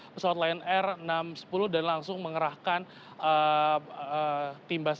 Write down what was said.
pesawat lion air enam ratus sepuluh dan langsung mengerahkan tim bas